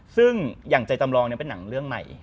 ซึ่งอย่างใจจำลองเป็นหนังเรื่องใหม่